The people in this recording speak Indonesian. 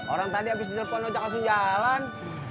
orang tadi abis di lepon lojak langsung jalan